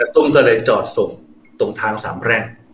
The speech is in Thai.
ตุ้มก็เลยจอดส่งตรงทางสามแพร่ง